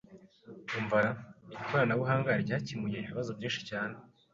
Umva ra! Ikoranabuhanga ryakemuye ibibazo byinshi cyane.